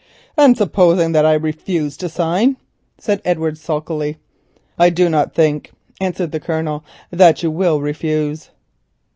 "And supposing that I refuse to sign," said Edward sulkily. "I do not think," answered the Colonel, "that you will refuse."